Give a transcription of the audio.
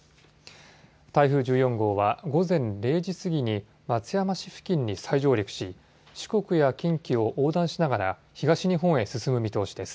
台風１４号は午前０時過ぎに松山市付近に再上陸し四国や近畿を横断しながら東日本へ進む見通しです。